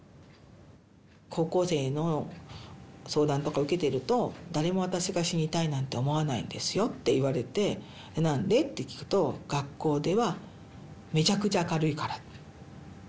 高校生の相談とか受けてると誰も私が死にたいなんて思わないんですよって言われて「何で？」って聞くと学校ではめちゃくちゃ明るいから。